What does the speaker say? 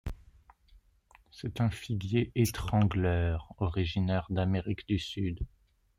C'est un figuier étrangleur originaire d'Amérique du Sud.